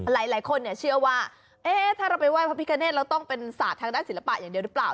หลายคนเชื่อว่าถ้าเราไปไห้พระพิกาเนธเราต้องเป็นศาสตร์ทางด้านศิลปะอย่างเดียวหรือเปล่า